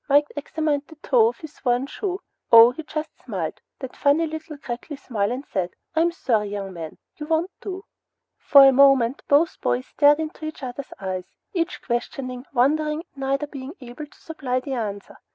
Mike examined the toe of his worn shoe. "Oh, he just smiled, that funny little crackly smile, and said, 'I'm sorry, young man, you won't do.'" For a moment both boys stared into one another's eyes, each questioning, wondering, and neither being able to supply the answer.